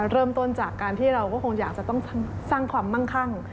เริ่มต้นจากการที่เราก็คงอยากจะต้องสร้างความมั่งคั่ง